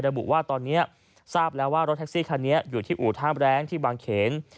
ระบุว่าตอนนี้ทราบแล้วว่ารถแท็กซี่คันนี้อยู่ที่อู่ท่ามแรงที่บางเขน